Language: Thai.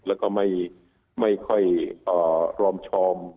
แล้วก็ไม่ค่อยรอมชอม